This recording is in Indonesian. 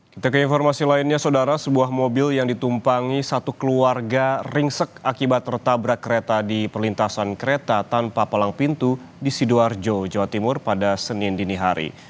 kita ke informasi lainnya saudara sebuah mobil yang ditumpangi satu keluarga ringsek akibat tertabrak kereta di perlintasan kereta tanpa palang pintu di sidoarjo jawa timur pada senin dinihari